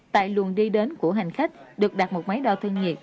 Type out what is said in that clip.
tại luồng đi đến của hành khách được đặt một máy đo thân nhiệt